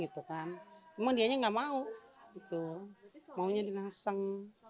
tapi dia nggak mau maunya di nakseng